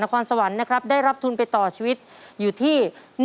นความสวรรค์ได้รับทุนไปต่อชีวิตอยู่ที่